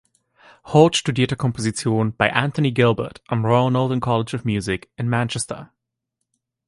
Holt studierte Komposition bei Anthony Gilbert am "Royal Northern College of Music" in Manchester.